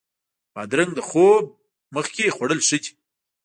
بادرنګ د خوب نه مخکې خوړل ښه دي.